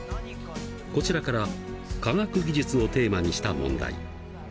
こちらから科学技術をテーマにした問題。